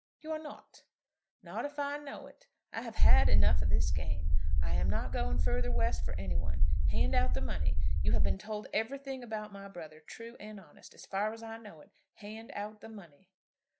"You are not?" "Not if I know it. I have had enough of this game. I am not going further West for any one. Hand out the money. You have been told everything about my brother, true and honest, as far as I know it. Hand out the money."